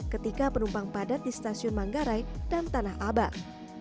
ketika penumpang padat di stasiun manggarai dan tanah abang